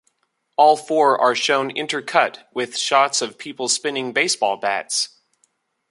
All four are shown intercut with shots of people spinning baseball bats.